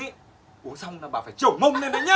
uống xong là bà phải trổ mông lên đấy nhá